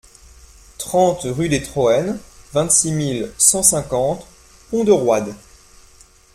trente rue des Troênes, vingt-cinq mille cent cinquante Pont-de-Roide